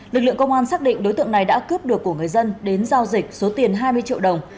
lực lượng công an xác định đối tượng này đã cướp được của người dân đến giao dịch số tiền hai mươi triệu đồng